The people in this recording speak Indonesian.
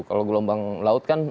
kalau gelombang laut kan